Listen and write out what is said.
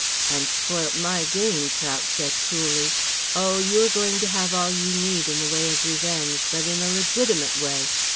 "And spoilt my game," Prout said coolly. "Oh, you are going to have all you need in the way of revenge, but in a legitimate way.